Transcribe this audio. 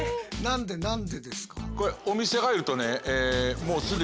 何でですか？